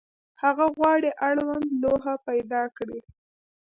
هغه غواړي اړوند لوحه پیدا کړي.